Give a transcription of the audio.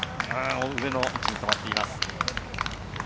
上の位置に止まっています。